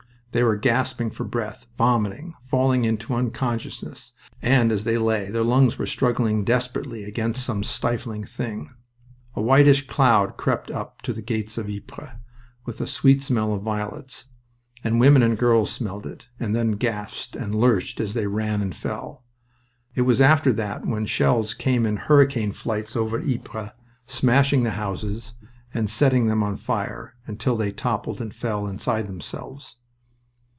They were gasping for breath, vomiting, falling into unconsciousness, and, as they lay, their lungs were struggling desperately against some stifling thing. A whitish cloud crept up to the gates of Ypres, with a sweet smell of violets, and women and girls smelled it and then gasped and lurched as they ran and fell. It was after that when shells came in hurricane flights over Ypres, smashing the houses and setting them on fire, until they toppled and fell inside themselves.